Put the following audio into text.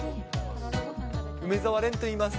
梅澤廉といいます。